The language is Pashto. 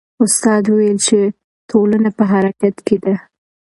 استاد وویل چې ټولنه په حرکت کې ده.